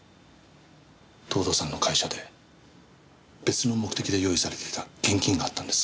藤堂さんの会社で別の目的で用意されていた現金があったんです。